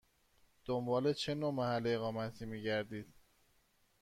دنبال چه نوع محل اقامتی می گردید؟